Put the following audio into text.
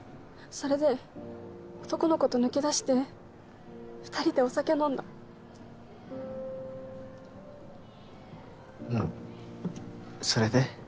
それで男の子と抜け出して二人でお酒飲んだうんそれで？